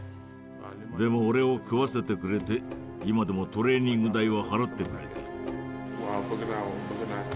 でも俺を食わせてくれて今でもトレーニング代は払ってくれている。